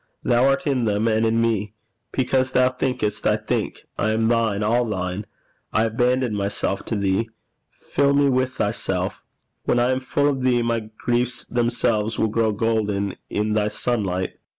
Thou art in them and in me. Because thou thinkest, I think. I am thine all thine. I abandon myself to thee. Fill me with thyself. When I am full of thee, my griefs themselves will grow golden in thy sunlight.